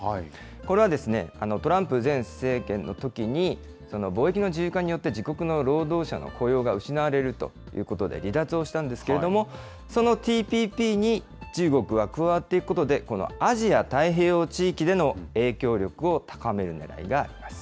これは、トランプ前政権のときに、貿易の自由化によって自国の労働者の雇用が失われるということで離脱をしたんですけれども、そのＴＰＰに中国が加わっていくことで、このアジア太平洋地域での影響力を高めるねらいがあります。